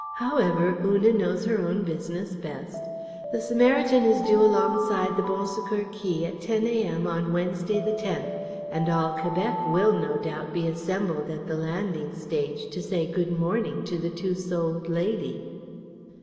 However, Una knows her own business best. The Sarmatian is due alongside the Bonsecours Quay at 10 a.m. on Wednesday, the 10th; and all Quebec will, no doubt, be assembled at the landing stage to say 'Good morning' to the two souled lady."